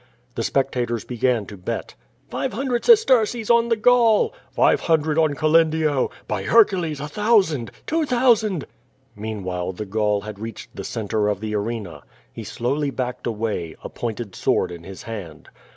The spectators began to bet. "Five hundred sesterces on the Gaul." "Five hundred on Calendio!" "By Hercules, a thousand!" "Two thousand." Meanwhile the Gaul had reached the centre of the arena. He slowly backed away, a pointed sword in his hand.